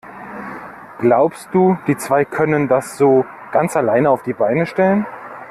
Glaubst du, die zwei können das so ganz alleine auf die Beine stellen?